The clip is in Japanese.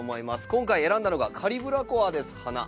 今回選んだのがカリブラコアです花。